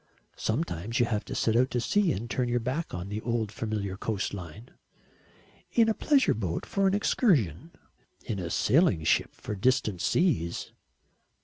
"Sometimes you have to set out to sea and turn your back on the old familiar coastline." "In a pleasure boat for an excursion." "In a sailing ship for distant seas."